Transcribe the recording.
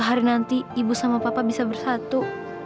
hari nanti ibu sama papa bisa bersatu